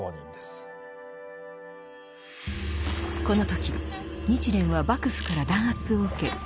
この時日蓮は幕府から弾圧を受け